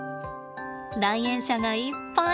来園者がいっぱい。